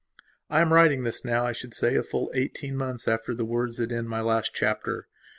I am writing this, now, I should say, a full eighteen months after the words that end my last chapter.